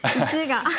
１が。